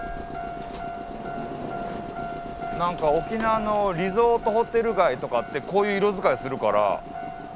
何か沖縄のリゾートホテル街とかってこういう色づかいするから。